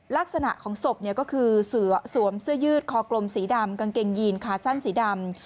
ลักษณะของศพก็คือสวมเสื้อยืดคอกลมสีดำกางเกงยีนขาสั้นสีดำ